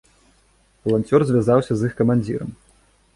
Валанцёр звязаўся з іх камандзірам.